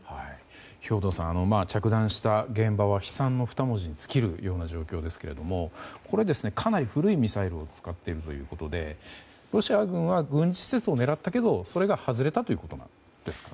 兵頭さん、着弾した現場は悲惨の２文字に尽きる状況ですが、これはかなり古いミサイルを使っているということでロシア軍は軍事施設を狙ったけどもそれが外れたということなんですか。